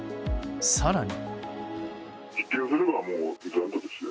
更に。